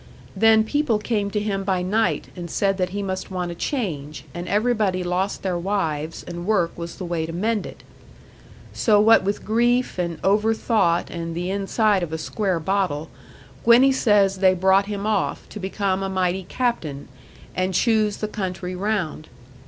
Then people came to him by night, and said that he must want a change, and everybody lost their wives, and work was the way to mend it. So what with grief, and over thought, and the inside of a square bottle, Gwenny says they brought him off, to become a mighty captain, and choose the country round.